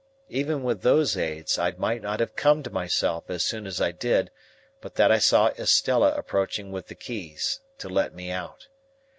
Even with those aids, I might not have come to myself as soon as I did, but that I saw Estella approaching with the keys, to let me out.